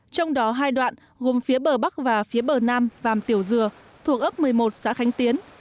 trong đó hai đoạn gồm phía bờ bắc và phía bờ nam vàm tiểu dừa thuộc ấp một mươi một xã khánh tiến